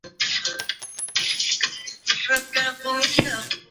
这成为龙川县被认为是今天整个河源市的历史文化源流的一个佐证。